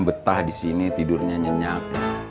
betah di sini tidurnya nyenyak